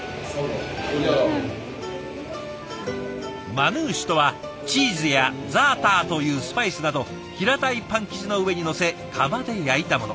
マヌーシュとはチーズやザーターというスパイスなど平たいパン生地の上にのせ窯で焼いたもの。